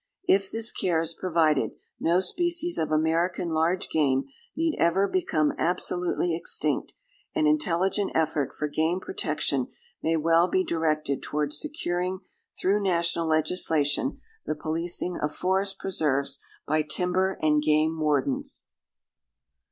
If this care is provided no species of American large game need ever become absolutely extinct; and intelligent effort for game protection may well be directed toward securing through national legislation the policing of forest preserves by timber and game wardens.